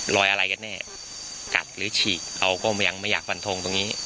รอยอะไรกันแน่กัดหรือฉีกเขาก็ยังไม่อยากฟันทงตรงนี้